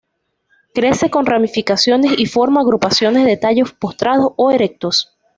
Crece con ramificaciones y forma agrupaciones de tallos postrados o erectos.